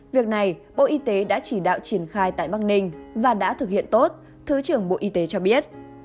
việc này bộ y tế đã chỉ đạo triển khai tại bắc ninh và đã thực hiện tốt thứ trưởng bộ y tế cho biết